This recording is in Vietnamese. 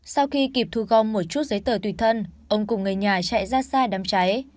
sau khi kịp thu gom một chút giấy tờ tùy thân ông cùng người nhà chạy ra xa đám cháy